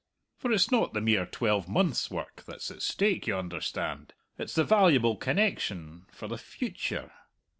For it's not the mere twelvemonth's work that's at stake, you understand; it's the valuable connection for the fee yuture.